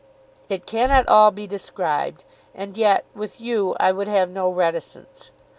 It cannot all be described; and yet with you I would have no reticence.